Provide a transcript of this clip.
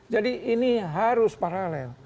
jadi ini harus paralel